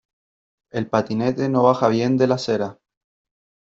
El patinete no baja bien de la acera.